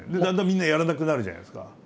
だんだんみんなやらなくなるじゃないですか。